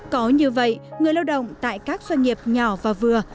có như vậy người lao động tại các doanh nghiệp nhỏ và vừa